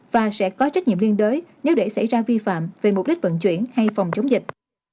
và sẽ có trách nhiệm liên đối nếu để xảy ra vi phạm về mục đích vận chuyển hay phòng chống dịch